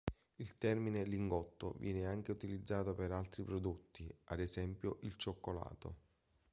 Il termine "lingotto" viene anche utilizzato per altri prodotti, ad esempio il cioccolato.